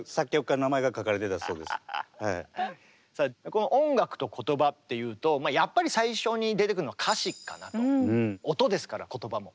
この「音楽と言葉」っていうとやっぱり最初に出てくるのは音ですから言葉も。